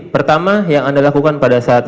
pertama yang anda lakukan pada saat